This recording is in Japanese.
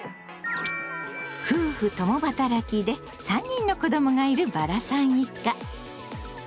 夫婦共働きで３人の子どもがいるバラさん一家。